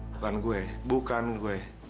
bukan gue bukan gue